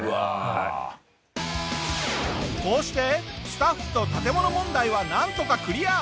こうしてスタッフと建物問題はなんとかクリア！